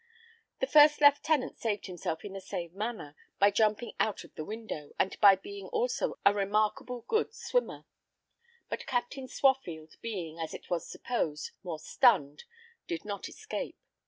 The first lieutenant saved himself in the same manner, by jumping out of the window, and by being also a remarkable good swimmer; but Captain Swaffield, being, as it was supposed, more stunned, did not escape.